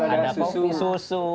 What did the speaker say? ada keju ada susu